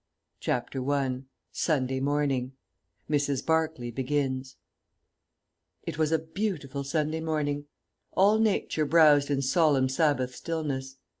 "] CHAPTER I SUNDAY MORNING (MRS. BARCLAY begins) It was a beautiful Sunday morning. All nature browsed in solemn Sabbath stillness.